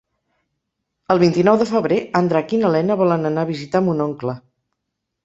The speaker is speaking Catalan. El vint-i-nou de febrer en Drac i na Lena volen anar a visitar mon oncle.